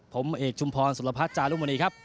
ผมเอกชุมพรสุรพัฒน์จารุมณีครับ